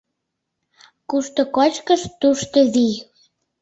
— Кушто кочкыш — тушто вий.